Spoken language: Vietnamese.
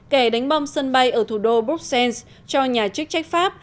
kẻ đánh bom sân bay ở thủ đô bruxelles cho nhà chức trách pháp